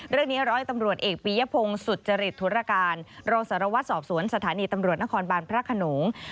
ร้อยตำรวจเอกปียพงศ์สุจริตธุรการรองสารวัตรสอบสวนสถานีตำรวจนครบานพระขนง